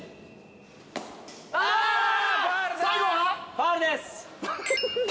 ファウルです。